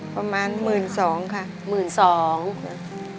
ประมาณ๑๒๐๐๐บาทพี่เบาะ